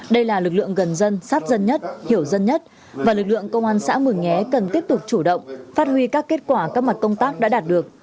đây là lực lượng gần dân sát dân nhất hiểu dân nhất và lực lượng công an xã mường nhé cần tiếp tục chủ động phát huy các kết quả các mặt công tác đã đạt được